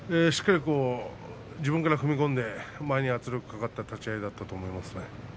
しっかり自分から踏み込んで前に圧力がかかった立ち合いだったと思いますね。